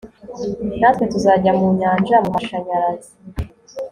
Natwe tuzajya mu nyanja mumashanyarazi